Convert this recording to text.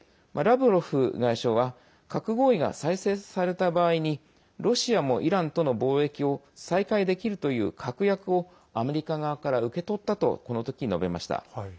ラブロフ外相は核合意が再生された場合にロシアもイランとの貿易を再開できるという確約をアメリカ側から受け取ったとこのとき述べました。